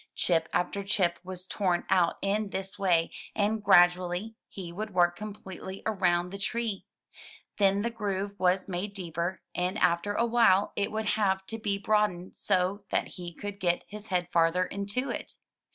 Chip after chip was torn out in this way, and gradually he would work completely around the tree. Then the groove was made deeper, and after awhile it would have to be broadened so that he could get his head farther into it.